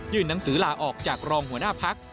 ยื่นหนังสือหล่าออกจากรองหัวหน้าภักดิ์